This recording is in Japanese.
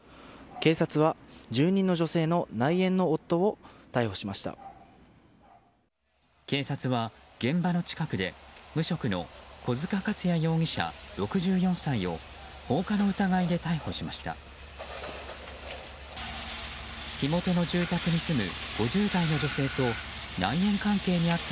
警察は現場の近くで無職の小塚勝也容疑者６４歳を放火の疑いで逮捕しました。